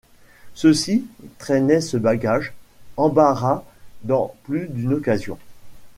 Ceux-ci traînaient ce bagage, embarras dans plus d’une occasion.